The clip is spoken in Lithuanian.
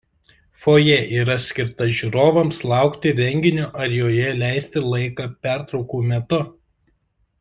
Fojė yra skirta žiūrovams laukti renginio ar joje leisti laiką pertraukų metu.